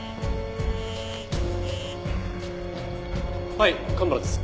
はい蒲原です。